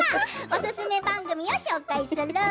おすすめ番組を紹介する。